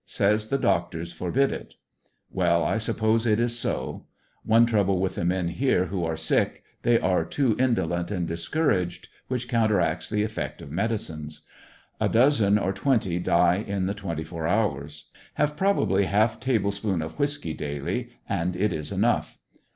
Says the doctors forbid it. Well, I suppose it is so. One trouble with the men here who are sick, they are too indolent and discouraged, which counteracts the effect of medi cines. A dozen or twenty die in the twenty four hours. Have probably half tablespoonful of whiskey daily, and it is enough.